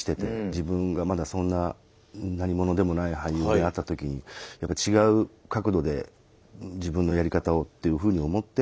自分がまだそんな何者でもない俳優であった時にやっぱり違う角度で自分のやり方をというふうに思って。